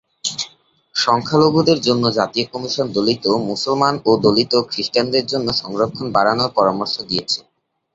সংখ্যালঘুদের জন্য জাতীয় কমিশন দলিত মুসলমান ও দলিত খ্রিস্টানদের জন্য সংরক্ষণ বাড়ানোর পরামর্শ দিয়েছে।